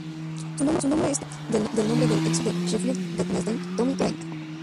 Su nombre es tomado del nombre del ex jugador de Sheffield Wednesday Tommy Craig.